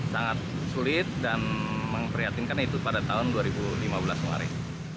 sangat sulit dan memprihatinkan itu pada tahun dua ribu lima belas kemarin